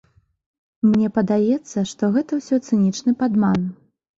Мне падаецца, што гэта ўсё цынічны падман.